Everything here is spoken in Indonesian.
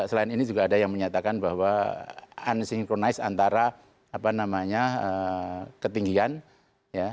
selain ini juga ada yang menyatakan bahwa unsynchronized antara apa namanya ketinggian ya